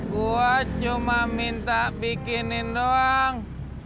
gue cuma minta bikinin doang